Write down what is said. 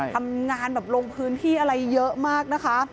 ทำงานแบบลงพื้นที่อะไรเยอะมากนะคะ